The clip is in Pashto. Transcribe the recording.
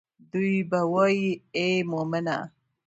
دوي به وائي اے مومنه!